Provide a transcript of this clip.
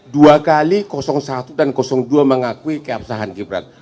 dua kali satu dan dua mengakui keabsahan gibran